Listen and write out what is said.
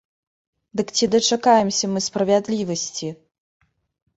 Дык ці дачакаемся мы справядлівасці?